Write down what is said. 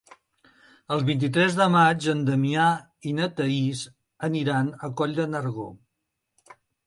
El vint-i-tres de maig en Damià i na Thaís aniran a Coll de Nargó.